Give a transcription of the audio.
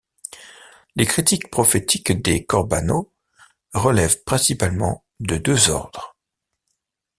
Les critiques prophétiques des korbanot relèvent principalement de deux ordres.